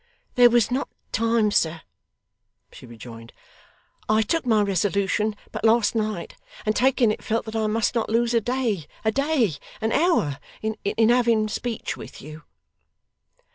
'There was not time, sir,' she rejoined. 'I took my resolution but last night, and taking it, felt that I must not lose a day a day! an hour in having speech with you.